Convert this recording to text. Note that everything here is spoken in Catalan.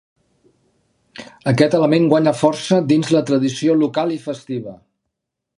Aquest element guanya força dins la tradició local i festiva.